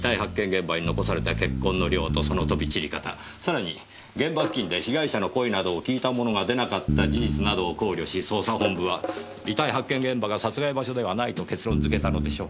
現場に残された血痕の量とその飛び散り方さらに現場付近で被害者の声などを聞いた者が出なかった事実などを考慮し捜査本部は遺体発見現場が殺害場所ではないと結論付けたのでしょう。